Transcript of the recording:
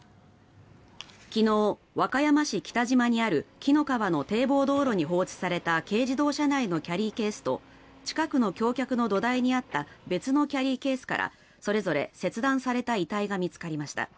昨日、和歌山市北島にある紀の川の堤防道路に放置された軽自動車内のキャリーケースと近くの橋脚の土台にあった別のキャリーケースからそれぞれ切断された遺体が見つかりました。